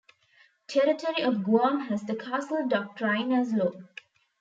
Territory of Guam has the Castle doctrine as law.